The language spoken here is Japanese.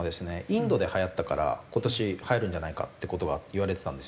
インドではやったから今年はやるんじゃないかって事がいわれてたんですよ。